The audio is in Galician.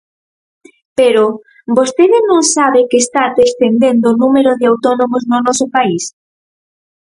Pero, ¿vostede non sabe que está descendendo o número de autónomos no noso país?